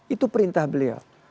itu perintah beliau